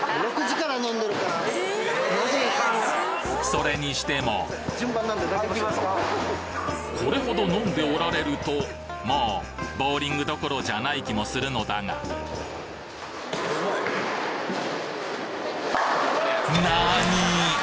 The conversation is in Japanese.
それにしてもこれほど飲んでおられるともうボウリングどころじゃない気もするのだがなにぃ！